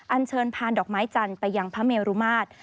อันเชิญพานดอกไม้จันทร์ไปยังพระเมรุมาตร